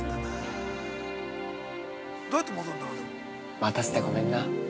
◆待たせてごめんな。